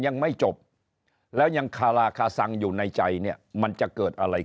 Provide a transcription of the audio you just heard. ยังไม่จบแล้วยังคาราคาซังอยู่ในใจเนี่ยมันจะเกิดอะไรขึ้น